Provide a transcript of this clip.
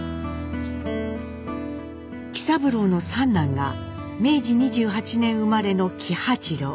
喜三郎の三男が明治２８年生まれの喜八郎。